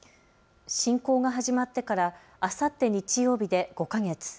侵攻が始まってからあさって日曜日で５か月。